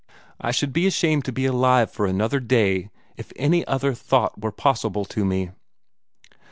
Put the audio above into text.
I should be ashamed to be alive for another day, if any other thought were possible to me."